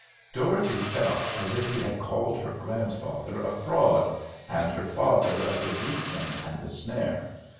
Dorothy felt as if he had called her grandfather a fraud, and her father a delusion and a snare.